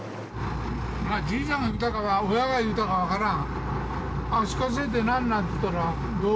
じいさんが言ったか親が言ったかわからん。